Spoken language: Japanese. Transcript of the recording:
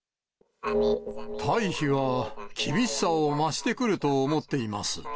退避は厳しさを増してくると思っています。